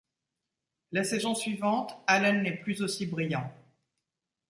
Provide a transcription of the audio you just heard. La saison suivante, Allen n'est plus aussi brillant.